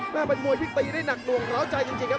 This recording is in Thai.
แม่เป็นมวยที่ตีได้หนักหน่วงร้าวใจจริงครับ